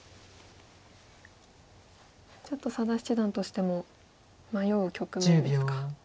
ちょっと佐田七段としても迷う局面ですか。